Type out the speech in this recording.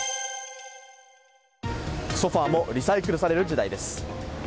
ソファもリサイクルされる時代です。